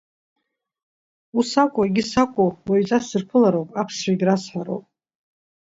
Ус акә, егьыс акә, уаҩҵас сырԥылароуп, аԥсшәагьы расҳәароуп!